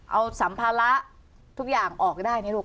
เอาสัมภาระทุกอย่างออกได้นะลูก